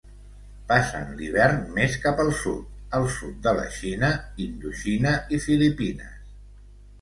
Passen l'hivern més cap al sud, al sud de la Xina, Indoxina i Filipines.